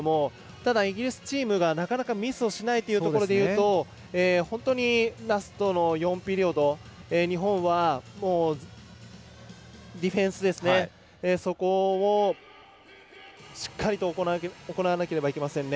ただ、イギリスチームがなかなかミスをしないところでいうと本当にラストの４ピリオド日本は、ディフェンスをしっかりと行わなければいけませんね。